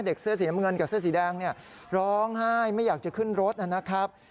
เสื้อสีน้ำเงินกับเสื้อสีแดงเนี่ยร้องไห้ไม่อยากจะขึ้นรถนะครับ